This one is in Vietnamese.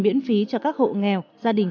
miễn phí cho các hộ nghèo gia đình